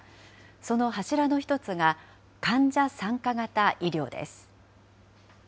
その柱の一つが、患者参加型医療です。